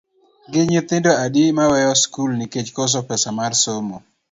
Gin nyithindo adi ma weyo skul nikech koso pesa mar somo?